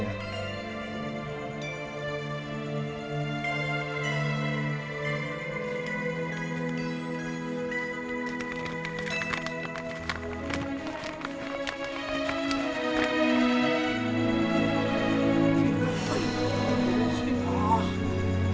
nomor pertukar lebih berdata